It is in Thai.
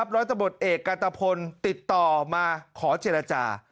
ร้อยทะบดเอกกตภนธรรมติดต่อมาขอเจรจา